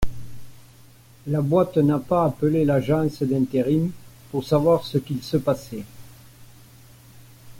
La boîte n’a pas appelé l’agence d’intérim pour savoir ce qu’il se passait.